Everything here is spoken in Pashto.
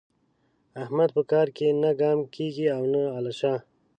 احمد په کار کې نه ګام کېږي او نه الشه.